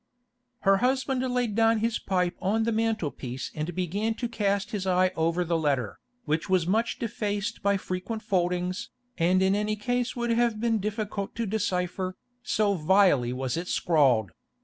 Her husband laid down his pipe on the mantel piece and began to cast his eye over the letter, which was much defaced by frequent foldings, and in any case would have been difficult to decipher, so vilely was it scrawled.